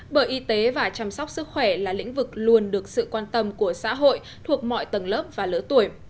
bởi y tế và chăm sóc sức khỏe là lĩnh vực luôn được sự quan tâm của xã hội thuộc mọi tầng lớp và lứa tuổi